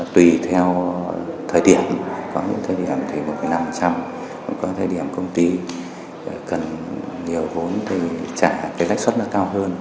tùy theo thời điểm có những thời điểm thì một năm có thời điểm công ty cần nhiều vốn thì trả cái lãi suất nó cao hơn